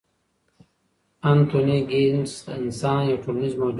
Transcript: انتوني ګیدنز انسان یو ټولنیز موجود ګڼي.